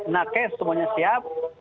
nakes semuanya siap